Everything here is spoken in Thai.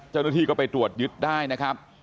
เจ้าหน้าที่ก็ไปตรวจยึดได้นะครับ